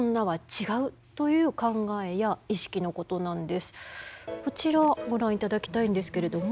そもそもこちらご覧いただきたいんですけれども。